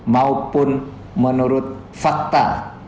maupun menurut fakta